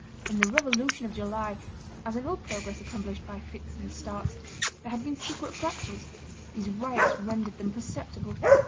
In the Revolution of July, as in all progress accomplished by fits and starts, there had been secret fractures; these riots rendered them perceptible.